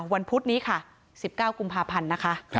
วันพุธนี้๑๙กุมภาพันธุ์